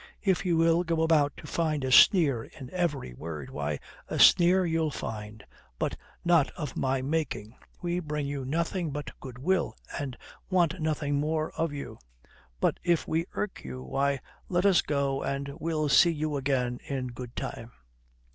If you will go about to find a sneer in every word, why, a sneer you'll find, but not of my making. We bring you nothing but goodwill, and want nothing more of you. But if we irk you, why, let us go and we'll see you again in good time."